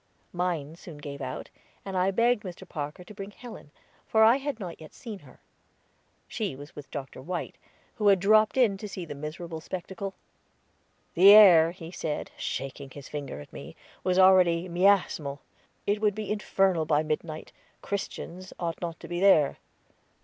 Mine soon gave out, and I begged Mr. Parker to bring Helen, for I had not yet seen her. She was with Dr. White, who had dropped in to see the miserable spectacle. The air, he said, shaking his finger at me, was already miasmal; it would be infernal by midnight Christians ought not to be there.